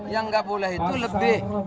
yang nggak boleh itu lebih